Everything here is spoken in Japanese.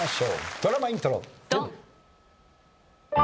ドラマイントロドン！